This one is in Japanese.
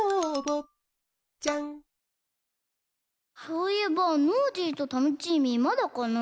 そういえばノージーとタノチーミーまだかな？